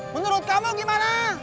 menurut kamu gimana